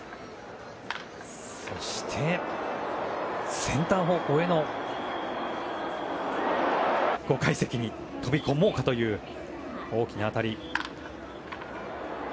そしてセンター方向への５階席に飛び込もうかという大きな当たり。